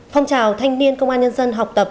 phong trào thanh niên công an nhân dân học tập